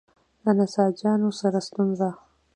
له نساجانو سره ستونزه.